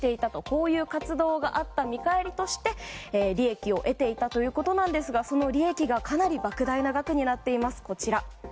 こういう活動があった見返りとして利益を得ていたということですがその利益がかなり莫大な額になっています。